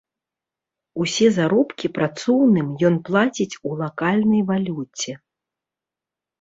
Усе заробкі працоўным ён плаціць у лакальнай валюце.